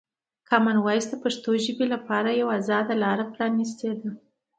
کامن وایس د پښتو ژبې لپاره یوه ازاده لاره پرانیستې ده.